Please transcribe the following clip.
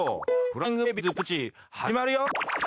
『フライングベイビーズプチ』始まるよ！